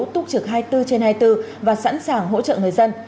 túc trực hai mươi bốn trên hai mươi bốn và sẵn sàng hỗ trợ người dân